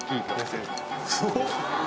すごっ！